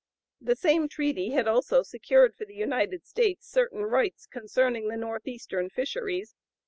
The same treaty had also secured for the United States certain rights concerning the Northeastern fisheries.